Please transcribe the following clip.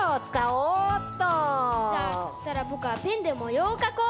じゃあそしたらぼくはペンでもようをかこう！